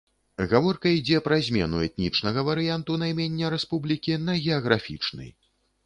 Гаворка ідзе пра змену этнічнага варыянту наймення рэспублікі на геаграфічны.